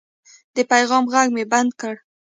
د پیغام غږ مې بند کړ.